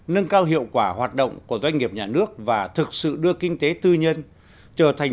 nâng cao hiệu quả hoạt động của doanh nghiệp nhà nước và thực sự đưa kinh tế tư nhân trở thành